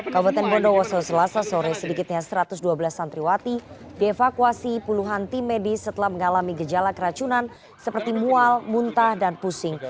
kabupaten bondowoso selasa sore sedikitnya satu ratus dua belas santriwati dievakuasi puluhan tim medis setelah mengalami gejala keracunan seperti mual muntah dan pusing